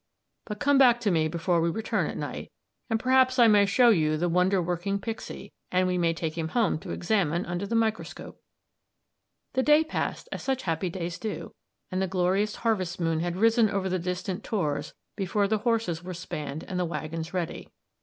But come back to me before we return at night, and perhaps I may show you the wonder working pixie, and we may take him home to examine under the microscope." The day passed as such happy days do, and the glorious harvest moon had risen over the distant tors before the horses were spanned and the waggons ready.